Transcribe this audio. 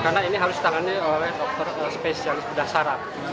karena ini harus ditangani oleh dokter spesialis berdasar